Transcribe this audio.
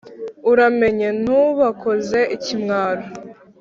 Uramenye ntubakoze ikimwaro !